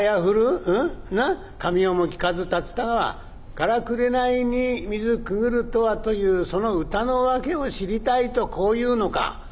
『神代もきかず竜田川からくれないに水くぐるとは』というその歌の訳を知りたいとこう言うのか？」。